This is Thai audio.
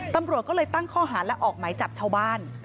ตำรวจก็เลยตั้งข้อหาและออกหมายจับชาวบ้าน